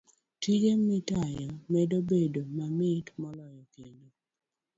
Tije motiyo medo bedo mamit moloyo, kendo